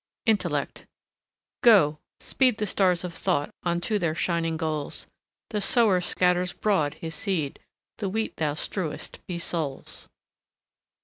INTELLECT Go, speed the stars of Thought On to their shining goals;— The sower scatters broad his seed, The wheat thou strew'st be souls.